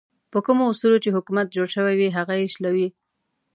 په کومو اصولو چې حکومت جوړ شوی وي هغه یې شلوي.